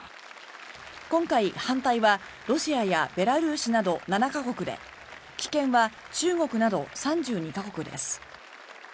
今回、反対はロシアやベラルーシなど７か国で棄権は中国など３２か国です。